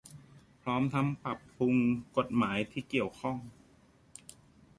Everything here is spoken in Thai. พร้อมทั้งปรับปรุงกฎหมายที่เกี่ยวข้อง